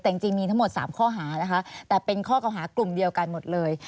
แต่จริงมีทั้งหมด๓ข้อหานะคะแต่เป็นข้อเก่าหากลุ่มเดียวกันหมดเลย